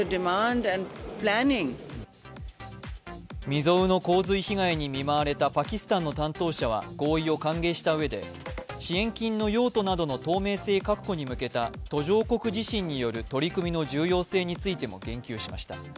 未曽有の洪水被害に見舞われたパキスタンの担当者は合意を歓迎したうえで、支援金の用途などの透明性確保に向けた途上国自身による取り組みの重要性についても言及しました。